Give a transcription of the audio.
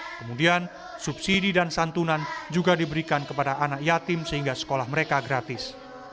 kemudian subsidi dan santunan juga diberikan kepada anak yatim sehingga sekolah mereka gratis